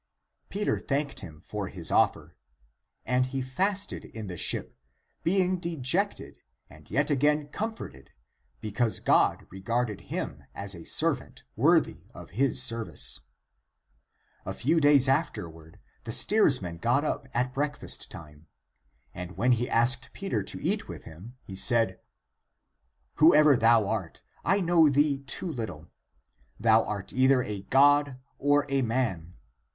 Peter thanked him for his offer. And he fasted in the ship, being dejected and yet again comforted, because God regarded him as a servant worthy of his service. A few days afterward the steersman got up at breakfast time. And when he asked Peter to eat with him, he said, " Whoever thou art, I know thee too little; thou art either a ACTS OF PETER 65 God or a man.